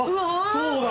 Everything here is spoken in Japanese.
そうだ！